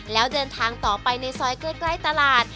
แล้วเดินทางต่อไปในซอยใกล้ตลาด